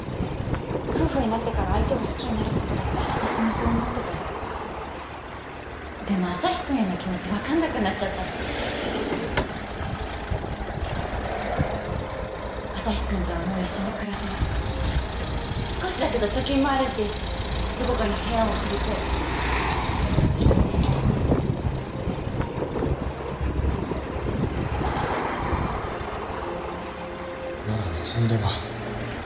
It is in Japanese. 夫婦になってから相手を好きになることだって私もそう思ってたよでも旭君への気持ち分かんなくなっちゃったのだから旭君とはもう一緒に暮らせない少しだけど貯金もあるしどこかに部屋を借りて一人で生きていくつもりならうちにいれば？